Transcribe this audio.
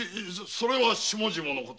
それは下々のこと。